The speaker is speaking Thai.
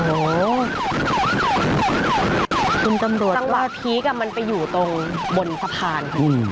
คุณตำรวจสำหรับสงวัติพีคอะมันไปอยู่ตรงบนสะพาน